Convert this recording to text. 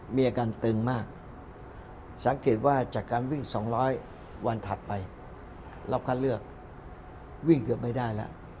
มีอาการตึงมากสังเกตว่าจากการวิ่ง๒๐๐วันถัดไปรอบคัดเลือกวิ่งเกือบไม่ได้แล้ว